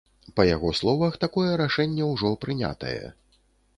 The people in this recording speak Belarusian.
Па яго словах, такое рашэнне ўжо прынятае.